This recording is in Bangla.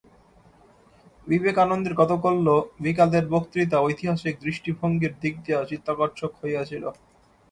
বিবে কানন্দের গতকল্য বিকালের বক্তৃতা ঐতিহাসিক দৃষ্টিভঙ্গীর দিক দিয়া চিত্তাকর্ষক হইয়াছিল।